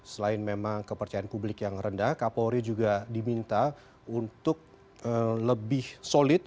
selain memang kepercayaan publik yang rendah kapolri juga diminta untuk lebih solid